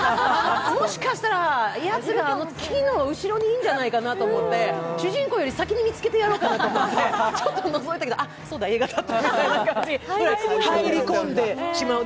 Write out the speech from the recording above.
もしかしたら、やつがあの木の後ろにいるんじゃないかなと思って主人公より先に見つけてやろうかなと思ってちょっとのぞいたけど、あ、そうだ映画だったと、入り込んでしまう。